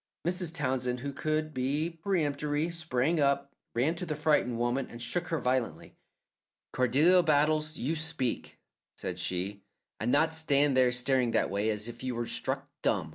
Mrs. Townsend, who could be peremptory, sprang up, ran to the frightened woman and shook her violently. "Cordelia Battles, you speak," said she, "and not stand there staring that way, as if you were struck dumb!